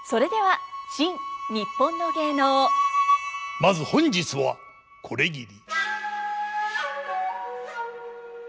まず本日はこれぎり。